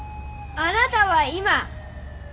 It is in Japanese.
あなたは今！